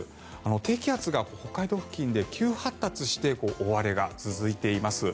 低気圧が北海道付近で急発達して大荒れが続いています。